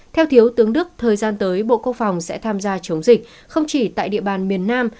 theo thiếu tướng đức thời gian tới bộ quốc phòng sẽ tham gia chống dịch không chỉ tại địa bàn miền nam